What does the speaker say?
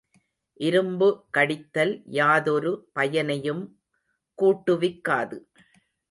இரும்பு கடித்தல் யாதொரு பயனையும் கூட்டுவிக்காது.